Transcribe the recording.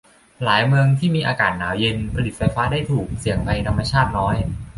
หลายเมืองที่มีอากาศหนาวเย็น ผลิตไฟฟ้าได้ถูก เสี่ยงภัยธรรมชาติน้อย